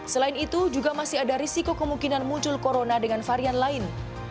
selain itu juga masih ada risiko kemungkinan muncul corona dengan varian lain